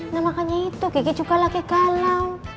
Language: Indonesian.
nah makanya itu kiki juga lagi galau